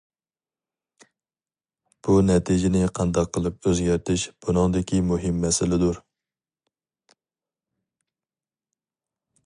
بۇ نەتىجىنى قانداق قىلىپ ئۆزگەرتىش بۇنىڭدىكى مۇھىم مەسىلىدۇر.